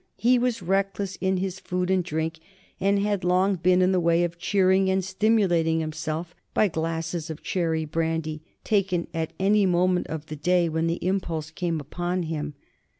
He was reckless in his food and drink, and had long been in the way of cheering and stimulating himself by glasses of cherry brandy taken at any moment of the day when the impulse came upon him.